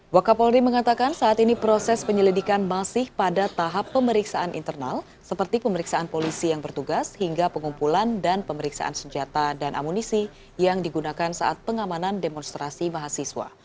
wakapolri mengatakan saat ini proses penyelidikan masih pada tahap pemeriksaan internal seperti pemeriksaan polisi yang bertugas hingga pengumpulan dan pemeriksaan senjata dan amunisi yang digunakan saat pengamanan demonstrasi mahasiswa